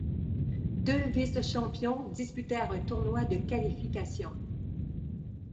Deux vice-champions disputèrent un tournoi de qualification.